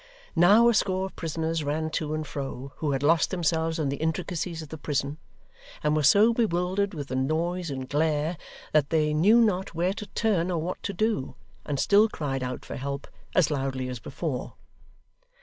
Now a score of prisoners ran to and fro, who had lost themselves in the intricacies of the prison, and were so bewildered with the noise and glare that they knew not where to turn or what to do, and still cried out for help, as loudly as before.